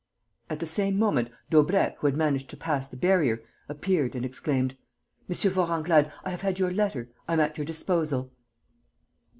At the same moment, Daubrecq, who had managed to pass the barrier, appeared and exclaimed: "M. Vorenglade, I have had your letter. I am at your disposal."